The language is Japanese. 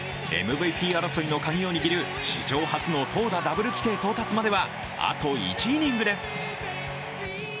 ＭＶＰ争いのカギを握る史上初の投打ダブル規定到達まではあと１イニングです。